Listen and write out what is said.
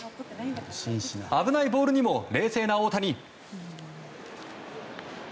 危ないボールにも冷静な大谷。